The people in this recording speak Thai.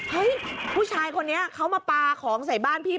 ผู้ชายคนนี้เขามาปลาของใส่บ้านพี่